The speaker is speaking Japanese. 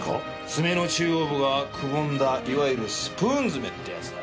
爪の中央部が窪んだいわゆる「スプーン爪」ってやつだ。